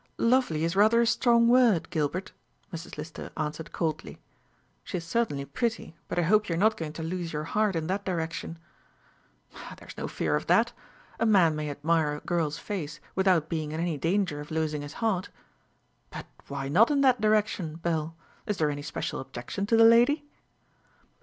"Lovely is rather a strong word, Gilbert," Mrs. Lister answered coldly; "she is certainly pretty, but I hope you are not going to lose your heart in that direction." "There is no fear of that. A man may admire a girl's face without being in any danger of losing his heart. But why not in that direction, Belle? Is there any special objection to the lady?"